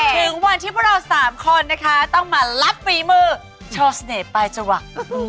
ถึงวันที่พวกเราสามคนนะคะต้องมารับฝีมือโชว์เสน่ห์ปลายจวัก